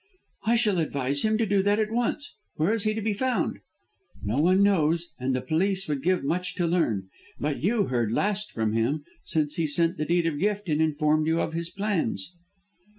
"I shall advise him to do that at once. Where is he to be found?" "No one knows, and the police would give much to learn. But you heard last from him, since he sent the Deed of Gift and informed you of his plans."